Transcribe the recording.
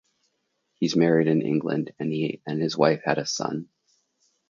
He married in England, and he and his wife had a son.